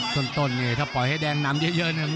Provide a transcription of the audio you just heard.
ต้นเนี่ยถ้าปล่อยให้แดงนำเยอะเนี่ยมันก็ไล่ยาก